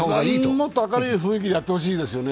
もっと明るい雰囲気でやってほしいですよね。